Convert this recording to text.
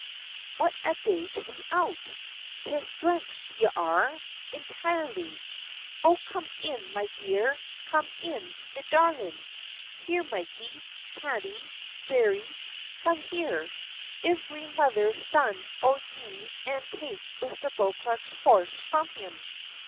What a day to be out! 'Tis drenched y'are, intirely! Oh! come in, me dear come in, me darlin'! Here, Mikey, Paddy, Jerry! come here, ivery mother's son o' ye, an' take Mr. Beauclerk's horse from him.